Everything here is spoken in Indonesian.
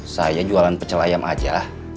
saya jualan pecelayam aja